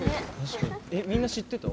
えっみんな知ってた？